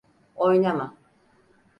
Oynama.